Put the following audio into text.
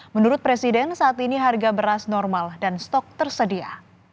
menurut presiden saat ini harga beras normal dan stok tersedia